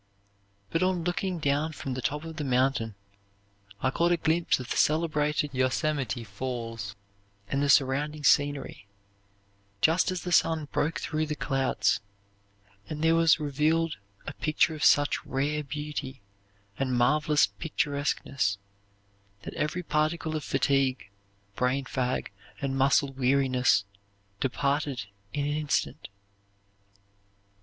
But on looking down from the top of the mountain I caught a glimpse of the celebrated Yosemite Falls and the surrounding scenery, just as the sun broke through the clouds; and there was revealed a picture of such rare beauty and marvelous picturesqueness that every particle of fatigue, brain fag, and muscle weariness departed in an instant.